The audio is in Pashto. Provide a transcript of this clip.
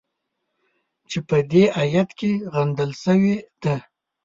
چې په دې ایت کې غندل شوې ده.